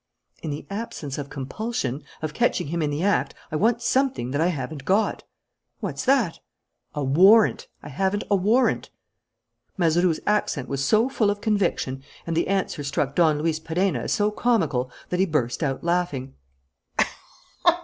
"In the absence of compulsion, of catching him in the act, I want something that I haven't got." "What's that?" "A warrant. I haven't a warrant." Mazeroux's accent was so full of conviction, and the answer struck Don Luis Perenna as so comical, that he burst out laughing.